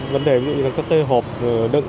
vấn đề như cơ tê hộp đựng